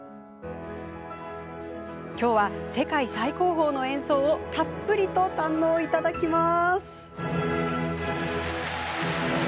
きょうは、世界最高峰の演奏をたっぷりと堪能いただきます。